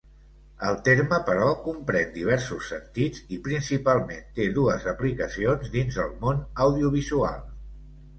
El terme, però, comprèn diversos sentits i, principalment, té dues aplicacions dins el món audiovisual.